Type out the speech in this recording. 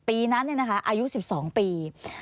ปีนั้นเนี่ยนะคะอายุ๑๒ปี